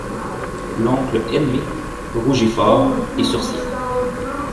L'oncle Edme rougit fort, et sourcilla.